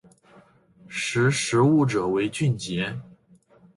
识时务者为俊杰